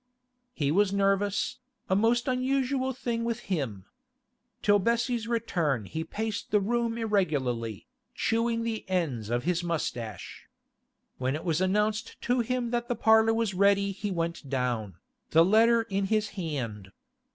He was nervous, a most unusual thing with him. Till Bessie's return he paced the room irregularly, chewing the ends of his moustache. When it was announced to him that the parlour was ready he went down, the letter in his hand.